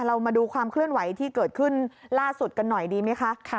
เรามาดูความเคลื่อนไหวที่เกิดขึ้นล่าสุดกันหน่อยดีไหมคะ